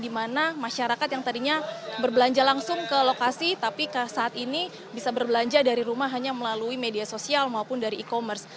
di mana masyarakat yang tadinya berbelanja langsung ke lokasi tapi saat ini bisa berbelanja dari rumah hanya melalui media sosial maupun dari e commerce